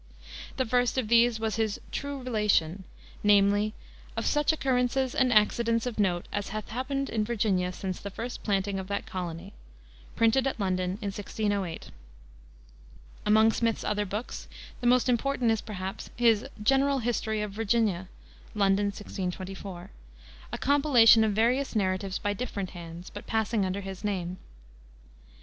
The first of these was his True Relation, namely, "of such occurrences and accidents of note as hath happened in Virginia since the first planting of that colony," printed at London in 1608. Among Smith's other books, the most important is perhaps his General History of Virginia (London, 1624), a compilation of various narratives by different hands, but passing under his name.